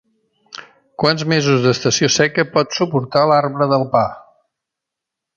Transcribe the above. Quants mesos d'estació seca pot suportar l'arbre del pa?